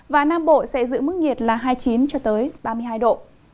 và nam bộ sẽ giữ mức nhiệt là hai mươi chín cho tới ba mươi hai độ